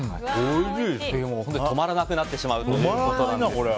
本当に止まらなくなってしまうということですよね。